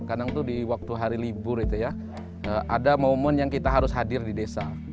kadang tuh di waktu hari libur itu ya ada momen yang kita harus hadir di desa